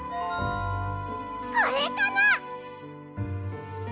これかな？